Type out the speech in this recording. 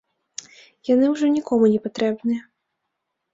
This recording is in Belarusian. Яны ўжо нікому не патрэбныя.